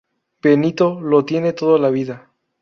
Benito lo tiene toda la vida.